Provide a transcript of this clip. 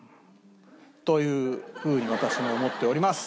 というふうに私も思っております。